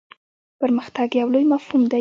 پرمختګ یو لوی مفهوم دی.